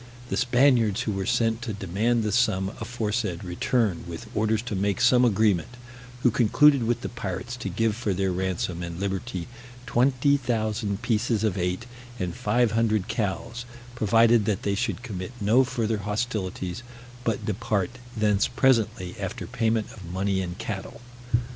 The Spaniards who were sent to demand the sum aforesaid returned, with orders to make some agreement; who concluded with the pirates to give for their ransom and liberty 20,000 pieces of eight, and five hundred cows, provided that they should commit no further hostilities, but depart thence presently after payment of money and cattle.